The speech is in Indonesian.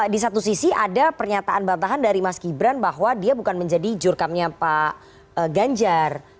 di satu sisi ada pernyataan bantahan dari mas gibran bahwa dia bukan menjadi jurkamnya pak ganjar